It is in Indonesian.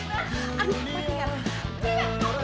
kamu jangan melu diri